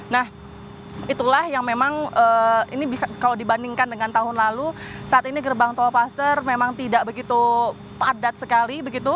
nah itulah yang memang ini kalau dibandingkan dengan tahun lalu saat ini gerbang tolpaster memang tidak begitu padat sekali begitu